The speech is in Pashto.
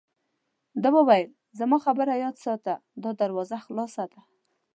ده وویل: زما خبره یاد ساته، دا دروازه خلاصه ده.